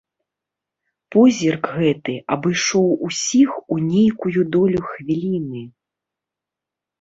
Позірк гэты абышоў усіх у нейкую долю хвіліны.